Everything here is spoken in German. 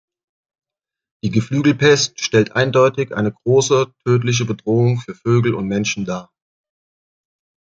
Die Geflügelpest stellt eindeutig eine große tödliche Bedrohung für Vögel und Menschen dar.